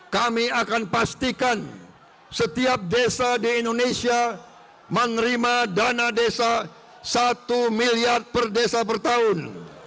kami akan pastikan setiap desa di indonesia menerima dana desa satu miliar per desa per tahun